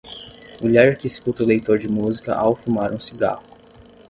Mulher que escuta o leitor de música ao fumar um cigarro.